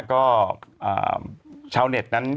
ก็ชาวเน็ตนั้น